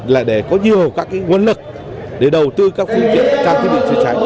là để có nhiều các nguồn lực để đầu tư các phương tiện trang thiết bị chữa cháy